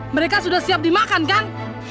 mereka sudah siap dimakan kan